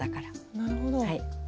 なるほど。